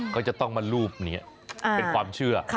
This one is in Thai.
ก็จะต้องมารูปนี้เป็นความเชื่อ